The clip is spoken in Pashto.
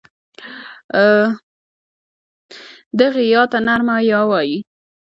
دغې ی ته نرمه یې وايي.